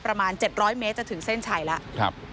ประมาณ๗๐๐เมตรจะถึงเส้นชัยแล้ว